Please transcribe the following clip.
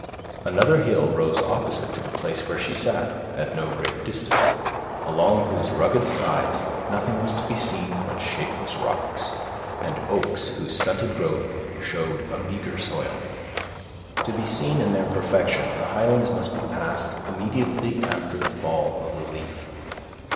Another hill rose opposite to the place where she sat, at no great distance, along whose rugged sides nothing was to be seen but shapeless rocks, and oaks whose stunted growth showed a meager soil. To be seen in their perfection, the Highlands must be passed immediately after the fall of the leaf.